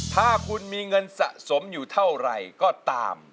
ถ้าคุณมีเงินสะสมอยู่เท่าไหร่ก็ตาม